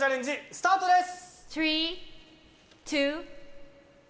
スタートです！